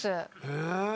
へえ！